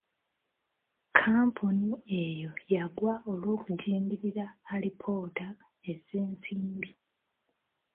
Kkampuni eyo yagwa olw'okujingirira alipoota z'ensimbi.